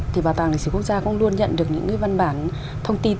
thì bảo tàng lịch sử quốc gia cũng luôn nhận được những cái văn bản thông tin